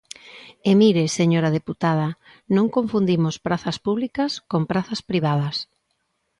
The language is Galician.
E mire, señora deputada, non confundimos prazas públicas con prazas privadas.